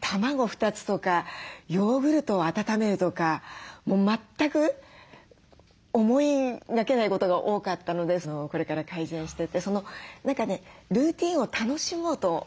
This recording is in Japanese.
卵２つとかヨーグルトを温めるとか全く思いがけないことが多かったのでこれから改善してってルーティンを楽しもうと思います。